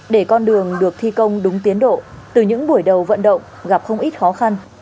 để con đường được thi công đúng tiến độ từ những buổi đầu vận động gặp không ít khó khăn